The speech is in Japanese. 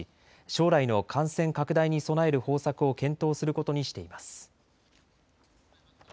将来の感染拡大に備える方策を検討することにしています。